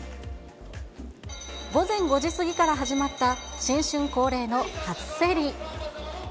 午前５時すぎから始まった、新春恒例の初競り。